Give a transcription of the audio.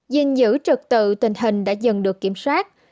dình dữ trực tự tình hình đã dần được kiểm soát